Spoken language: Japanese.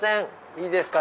いいですか？